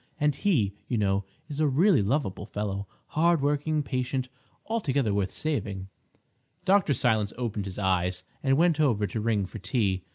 And he, you know, is a really lovable fellow, hard working, patient—altogether worth saving." Dr. Silence opened his eyes and went over to ring for tea.